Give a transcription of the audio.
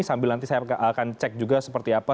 sambil nanti saya akan cek juga seperti apa